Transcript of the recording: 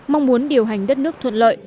mong muốn điều hành đất nước thuận lợi